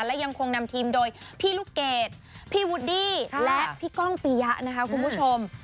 และยังคงนำทีมโดยพี่ลูกเกดพี่วูดดี้และพี่ก้องปียะนะคะคุณผู้ชม